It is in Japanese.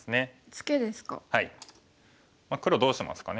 ツケですか。